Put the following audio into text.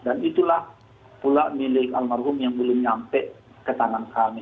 dan itulah pula milik almarhum yang belum nyampe ke tangan kami